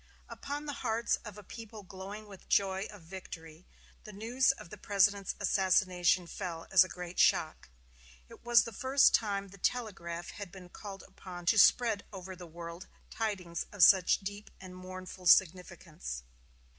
Upon the hearts of a people glowing with the joy of victory, the news of the President's assassination fell as a great shock. It was the first time the telegraph had been called upon to spread over the world tidings of such deep and mournful significance.